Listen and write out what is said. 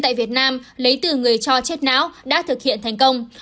tại việt nam lấy từ người cho chết não đã thực hiện thành công